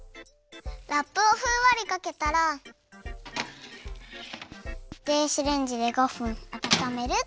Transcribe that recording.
ラップをふんわりかけたら電子レンジで５分あたためるっと。